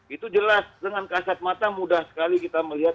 itu jelas dengan kasat mata mudah sekali kita melihat